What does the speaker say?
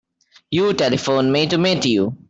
You telephoned me to meet you.